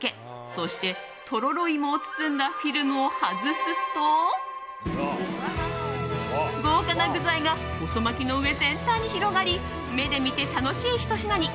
そして、とろろ芋を包んだフィルムを外すと豪華な具材が細巻きの上全体に広がり目で見て楽しいひと品に。